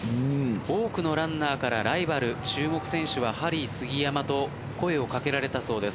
多くのランナーからライバル注目選手はハリー杉山と声を掛けられたそうです。